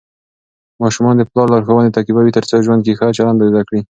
ماشومان د پلار لارښوونې تعقیبوي ترڅو ژوند کې ښه چلند زده کړي.